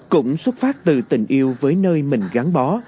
cũng xuất phát từ tình yêu với nơi mình gắn bó